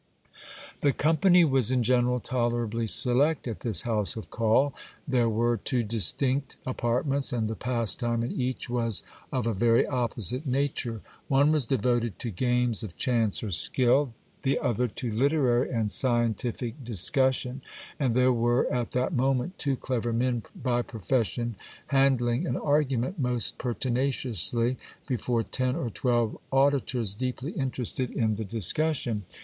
The company was in general tolerably select at this house of call. There were two distinct apartments ; and the pastime in each was of a very opposite nature. One was devoted to games of chance or skill ; the other to literarv and scientific discussion : and there were at that moment two clever men by profession handling an argument most pertinaciously, before ten or twelve auditors deeply interested in the discussion.